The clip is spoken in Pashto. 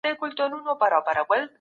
ټولنپوهنه د ټولو ټولنیزو علومو پوهنه ده.